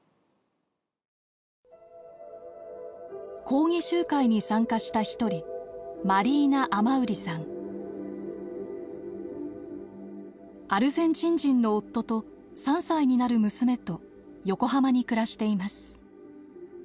抗議集会に参加した一人アルゼンチン人の夫と３歳になる娘と横浜に暮らしています。